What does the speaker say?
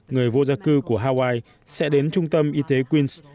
người vô gia cư của hawaii sẽ đến trung tâm y tế queens